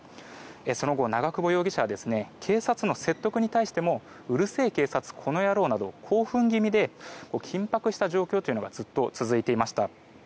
その後、長久保容疑者は警察の説得に対してもうるせえ、警察この野郎などと興奮気味で緊迫した状況というのがずっと続いていました。